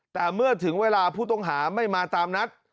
แต่เมื่อถึงเวลาผู้ต้องหาไม่มาตามนัด